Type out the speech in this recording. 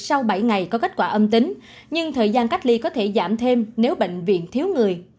sau bảy ngày có kết quả âm tính nhưng thời gian cách ly có thể giảm thêm nếu bệnh viện thiếu người